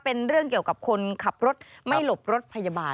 เป็นเรื่องเกี่ยวกับคนขับรถไม่หลบรถพยาบาล